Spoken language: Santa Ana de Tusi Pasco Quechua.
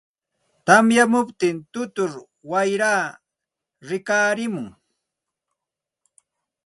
tamyamuptin tutur wayraa rikarimun.